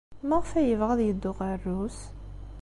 Maɣef ay yebɣa ad yeddu ɣer Rrus?